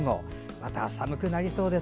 また寒くなりそうです。